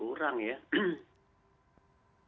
ya kalau berkurang ya jelas berkurang ya